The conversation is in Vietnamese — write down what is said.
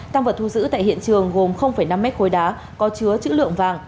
tăng vật thu giữ tại hiện trường gồm năm mét khối đá có chứa chữ lượng vàng